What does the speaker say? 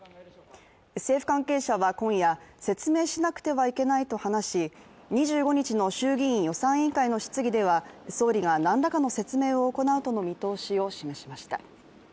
政府関係者は今夜、説明しなくてはいけないと話し２５日の衆議院予算委員会の質疑では総理が何らかの説明を行うとの見通しを示しました。